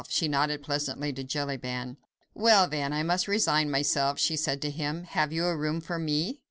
She nodded pleasantly to Jellyband. "Well, then, I must resign myself," she said to him. "Have you a room for me?"